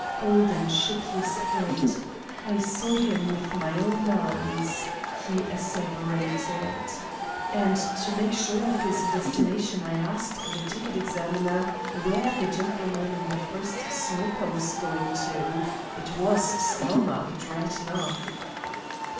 Holden shook his head. "I saw him with my own eyes," he asseverated, "and to make sure of his destination I asked the ticket examiner where the gentleman in the first smoker was going to. It was Stowmarket, right enough."